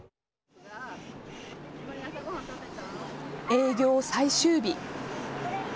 営業最終日。